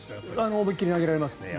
思いっ切り投げられますね。